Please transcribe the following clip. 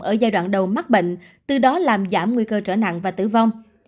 ở giai đoạn đầu mắc bệnh từ đó làm giảm nguy cơ trở nặng và tử vong